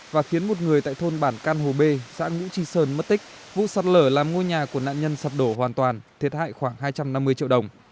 và khiến một người tại thôn bản can hồ b xã ngũ trì sơn mất tích vụ sạt lở làm ngôi nhà của nạn nhân sập đổ hoàn toàn thiệt hại khoảng hai trăm năm mươi triệu đồng